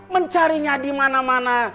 mencarinya di mana mana